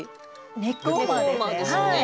ネックウォーマーですね。